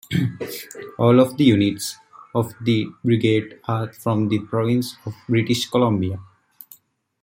All of the units of the brigade are from the province of British Columbia.